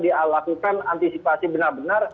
dilakukan antisipasi benar benar